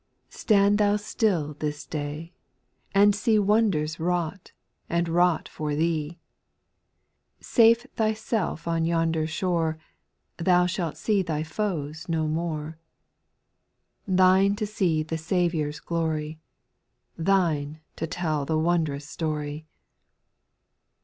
8. Stand thou still this day, and see Wonders wrought, and wrought for thee ; Safe thyself on yonder shore. Thou shalt see thy foes no more. Thine to see the Saviour's glory, Thine to tell the wondrous story.